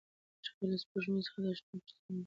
شاعر له سپوږمۍ څخه د اشنا پوښتنه کوي.